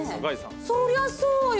そりゃそうよ。